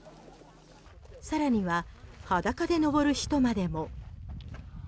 更には裸で登る人までも。